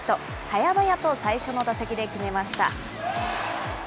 早々と最初の打席で決めました。